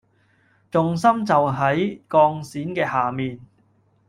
重心就喺鋼線嘅下面